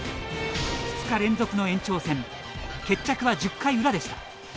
２日連続の延長戦決着は１０回裏でした。